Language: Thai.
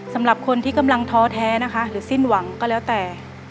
สำหรับคนที่กำลังท้อแท้นะคะหรือสิ้นหวังก็แล้วแต่